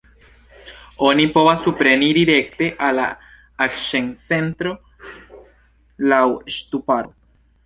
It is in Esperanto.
Oni povas supreniri rekte al la aĉetcentro laŭ ŝtuparo.